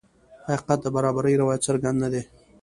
حقیقت د برابرۍ روایت څرګند نه دی.